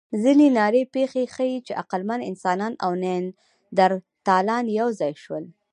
ځینې نادرې پېښې ښيي، چې عقلمن انسانان او نیاندرتالان یو ځای شول.